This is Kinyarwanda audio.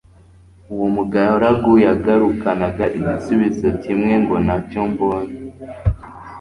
uwo mugaragu yagarukanaga igisubizo kimwe ngo Ntacyo mbonye